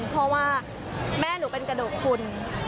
เพราะว่าแม่หนูเป็นกระดูกคุณ